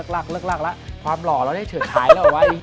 เลิกรักละความหล่อเราได้เฉิดถ่ายแล้วไอ้